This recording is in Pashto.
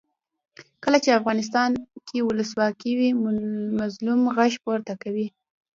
کله چې افغانستان کې ولسواکي وي مظلوم غږ پورته کوي.